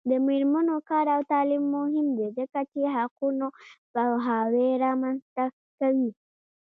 د میرمنو کار او تعلیم مهم دی ځکه چې حقونو پوهاوی رامنځته کوي.